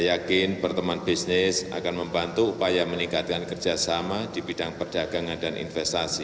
saya yakin pertemuan bisnis akan membantu upaya meningkatkan kerjasama di bidang perdagangan dan investasi